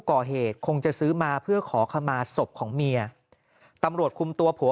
คงจะซื้อมาเพื่อขอขมาศพของเมียตำรวจคุมตัวผัว